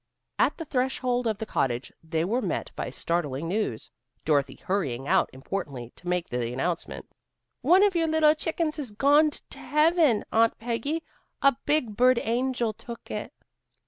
At the threshold of the cottage they were met by startling news, Dorothy hurrying out importantly to make the announcement. "One of your little chickens has goned to Heaven, Aunt Peggy. A big bird angel took it."